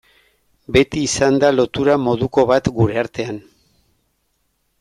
Beti izan da lotura moduko bat gure artean.